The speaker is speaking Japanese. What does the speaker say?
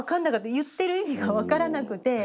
言ってる意味が分からなくて。